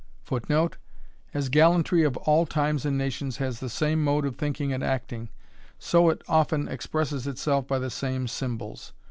[Footnote: As gallantry of all times and nations has the same mode of thinking and acting, so it often expresses itself by the same symbols.